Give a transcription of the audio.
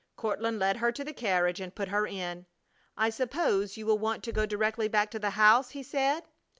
Courtland led her to the carriage and put her in. "I suppose you will want to go directly back to the house?" he said.